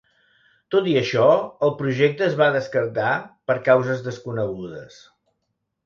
Tot i això, el projecte es va descartar per causes desconegudes.